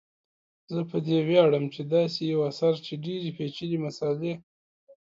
زه په دې ویاړم چي داسي یو اثر چي ډیري پیچلي مسالې